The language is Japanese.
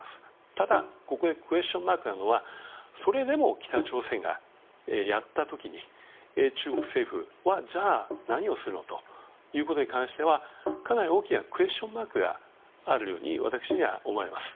ただ、ここでクエスチョンマークなのはそれでも北朝鮮がやった時に中国政府はじゃあ何をするのということに関してはかなり大きなクエスチョンマークがあるように私には思われます。